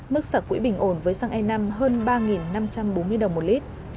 mức xả quỹ bình ổn với xăng e năm hơn ba năm trăm bốn mươi đồng một lít